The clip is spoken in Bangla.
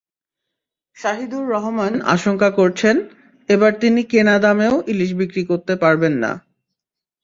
শাহীদুর রহমান আশঙ্কা করছেন, এবার তিনি কেনা দামেও ইলিশ বিক্রি করতে পারবেন না।